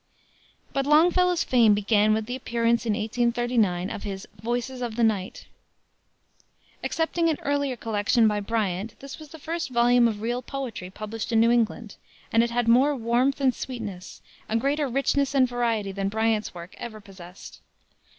But Longfellow's fame began with the appearance in 1839 of his Voices of the Night. Excepting an earlier collection by Bryant this was the first volume of real poetry published in New England, and it had more warmth and sweetness, a greater richness and variety than Bryant's work ever possessed.